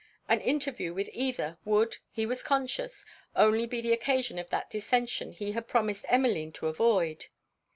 An interview with either, would, he was conscious, only be the occasion of that dissention he had promised Emmeline to avoid.